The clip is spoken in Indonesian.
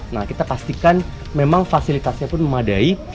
nah kita pastikan memang fasilitasnya pun memadai